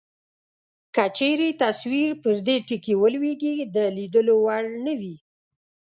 که چیرې تصویر پر دې ټکي ولویږي د لیدلو وړ نه وي.